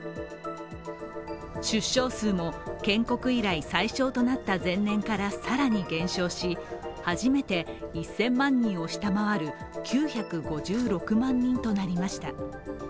出生数も建国以来最小となった前年から更に減少し初めて１０００万人を下回る９５６万人となりました。